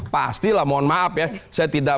pastilah mohon maaf ya saya tidak